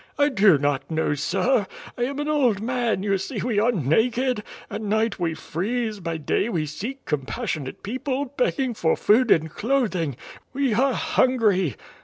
"I do not know, sir. I am an old man; you see we are naked, at night we freeze, by day we seek compassionate people, begging for food and clothing. We are hungry!"